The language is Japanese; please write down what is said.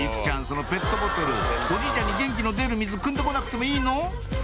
そのペットボトルおじいちゃんに元気の出る水くんで来なくてもいいの？